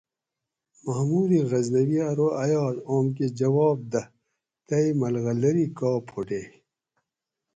محمود غزنوی ارو ایاز اوم کہ جواب دہ تئ ملغلری کا پھوٹیگ